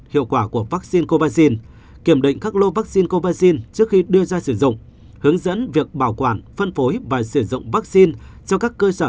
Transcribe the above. hiệu quả của vaccine covaxin kiểm định các lô vaccine covaxin trước khi đưa ra sử dụng hướng dẫn việc bảo quản phân phối và sử dụng vaccine cho các cơ sở